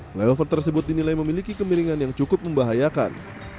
flyover tersebut dinilai memiliki kemiringan yang cukup membahayakan